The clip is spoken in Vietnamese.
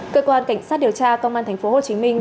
cơ quan cảnh sát điều tra công an thành phố hồ chí minh